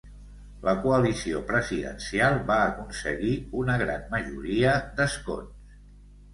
La coalició presidencial va aconseguir una gran majoria d'escons.